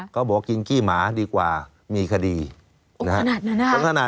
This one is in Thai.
ก็บอกกินขี้หมาดีกว่ามีคดีโอ้ขนาดนั้นนะครับ